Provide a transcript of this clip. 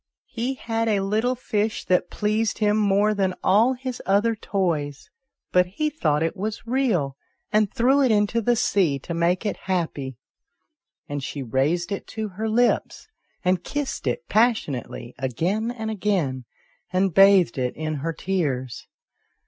" He had a little fish that pleased him more than all his other toys, but he thought it was real, and threw it into the sea to make it happy," and she raised it to her lips, and kissed it passionately again and again, and bathed it in her tears.